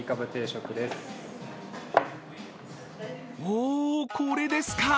お、これですか。